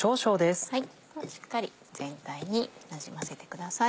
しっかり全体になじませてください。